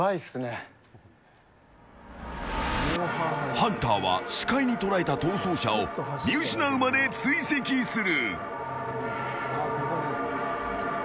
ハンターは視界に捉えた逃走者を見失うまで追跡する。